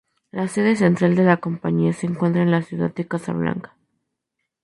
La sede central de la compañía se encuentra en la ciudad de Casablanca.